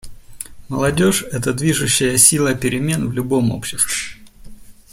Молодежь — это движущая сила перемен в любом обществе.